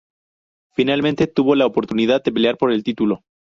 Finalmente tuvo la oportunidad de pelear por el título.